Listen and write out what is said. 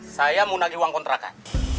saya mau nagi uang kontrakan